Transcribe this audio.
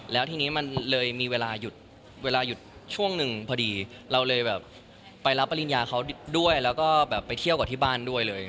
แล้วทีนี้มันเลยมีเวลาหยุดเวลาหยุดช่วงหนึ่งพอดีเราเลยแบบไปรับปริญญาเขาด้วยแล้วก็แบบไปเที่ยวกับที่บ้านด้วยเลย